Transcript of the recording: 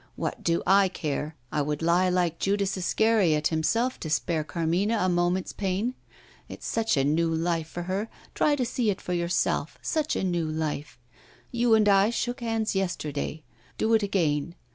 What do I care? I would lie like Judas Iscariot himself to spare Carmina a moment's pain. It's such a new life for her try to see it for yourself such a new life. You and I shook hands yesterday. Do it again.